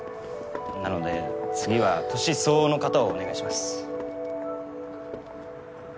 なので次は年相応の方をお願いします。